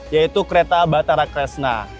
yaitu kereta batara kresna